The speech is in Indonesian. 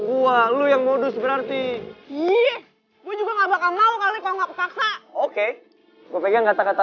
gua lu yang modus berarti gue juga enggak bakal mau kali kalau enggak paksa oke gue pegang kata kata